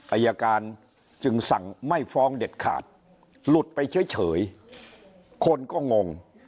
อายการจึงสั่งไม่ฟ้องเด็ดขาดหลุดไปเฉยคนก็งง